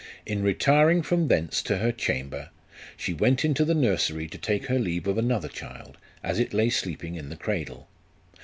In retiring from thence to her chamber, she went into the nursery to take her leave of another child, as it lay sleeping in the cradle.